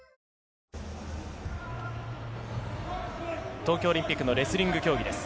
東京オリンピックのレスリング競技です。